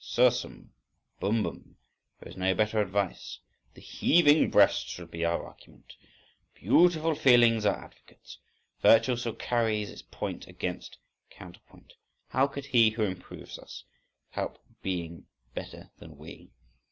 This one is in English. Sursum! Bumbum!—there is no better advice. The "heaving breast" shall be our argument, "beautiful feelings" our advocates. Virtue still carries its point against counterpoint. "How could he who improves us, help being better than we?"